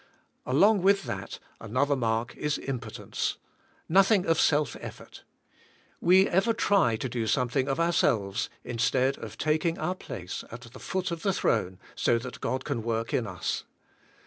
Along with that, another mark is impotence; nothing of self effort. We ever try to do something of ourselves instead of taking our place at the foot of the throne so that God can work in us.